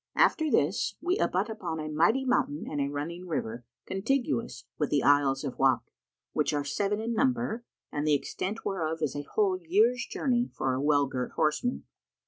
After this, we abut upon a mighty mountain and a running river contiguous with the Isles of Wak, which are seven in number and the extent whereof is a whole year's journey for a well girt horseman.